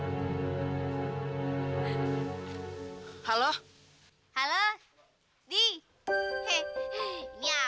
kita tak ada kelebihanita